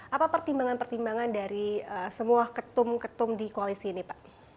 apa pertimbangan pertimbangan dari semua ketum ketum di koalisi ini pak